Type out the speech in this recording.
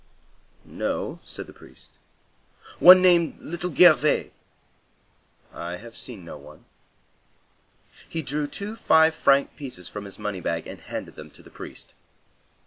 "No," said the priest. "One named Little Gervais?" "I have seen no one." He drew two five franc pieces from his money bag and handed them to the priest.